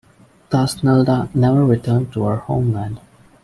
Thusnelda never returned to her homeland.